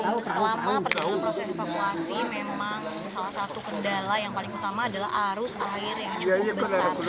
dan selama perjalanan proses evakuasi memang salah satu kendala yang paling utama adalah arus air yang cukup besar